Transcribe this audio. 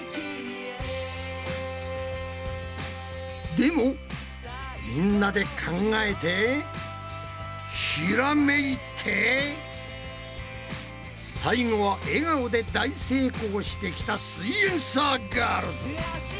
でもみんなで考えてひらめいて最後は笑顔で大成功してきたすイエんサーガールズ！